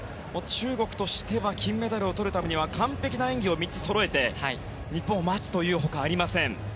中国としては金メダルをとるためには完璧な演技を３つそろえて日本を待つという他ありません。